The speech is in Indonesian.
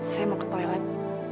saya mau ke toilet